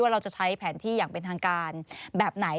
เราจะใช้แผนที่อย่างเป็นทางการแบบไหน